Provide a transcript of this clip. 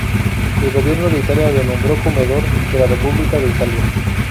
El gobierno de Italia lo nombró comendador de la República de Italia.